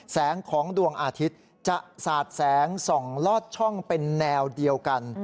แสงของดวงอาทิตย์จะสาดแสงส่องลอดช่องเป็นแนวเดียวกัน